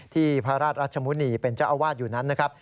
ที่พระราชมุณีเป็นเจ้าอาวาสอยู่นั้นนะครับ